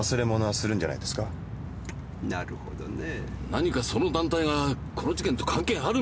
何かその団体がこの事件と関係あるんですか？